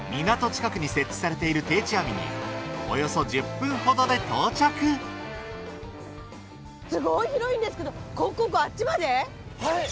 港近くに設置されている定置網におよそ１０分ほどで到着すごい広いんですけどあっちまで？